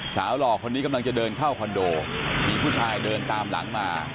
หล่อคนนี้กำลังจะเดินเข้าคอนโดมีผู้ชายเดินตามหลังมา